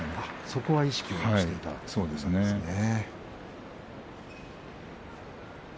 そこは意識をしていたということですね。